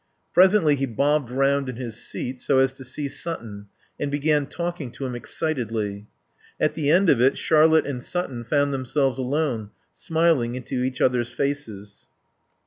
Presently he bobbed round in his seat so as to see Sutton, and began talking to him excitedly. At the end of it Charlotte and Sutton found themselves alone, smiling into each other's faces.